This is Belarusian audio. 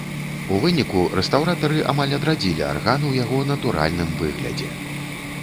У выніку рэстаўратары амаль адрадзілі арган у яго натуральным выглядзе.